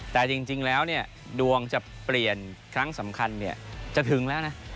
แต่จริงแล้วดวงจะเปลี่ยนครั้งสำคัญจะถึงแล้วนะ